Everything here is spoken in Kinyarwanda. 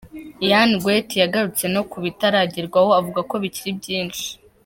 Yann Gwet yagarutse no ku bitaragerwaho avuga ko bikiri byinshi.